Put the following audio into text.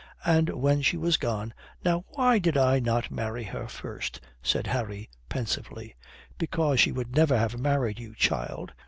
And when she was gone. "Now, why did I not marry her first?" said Harry pensively. "Because she would never have married you, child.